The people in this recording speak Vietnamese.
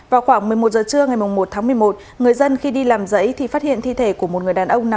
vào khoảng một mươi một giờ trưa ngày một tháng một mươi một người dân khi đi làm giấy thì phát hiện thi thể của một người đàn ông nằm